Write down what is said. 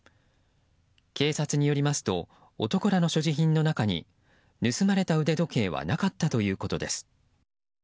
警察によりますと男らの所持品の中に盗まれた腕時計はなかったということです。